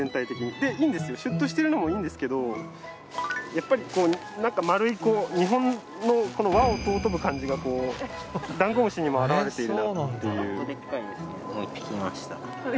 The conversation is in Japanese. でいいんですよシュッとしてるのもいいんですけどやっぱりこう丸い日本の和を尊ぶ感じがダンゴムシにも表れているなっていう。